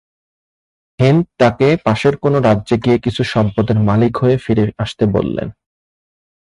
হিন্দ তাকে পাশের কোন রাজ্যে গিয়ে কিছু সম্পদের মালিক হয়ে ফিরে আসতে বললেন।